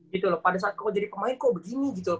gitu loh pada saat kau jadi pemain kok begini gitu